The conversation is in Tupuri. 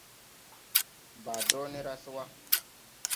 Baa do ne ra se wa.